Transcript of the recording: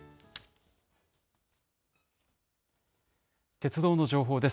鉄道の情報です。